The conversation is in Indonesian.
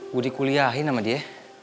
gua dikuliahin sama dia